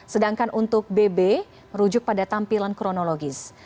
sedangkan untuk bb merujuk pada tampilan kronologis